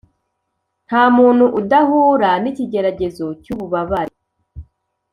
nta muntu udahura n’ikigeragezo cy’ububabare,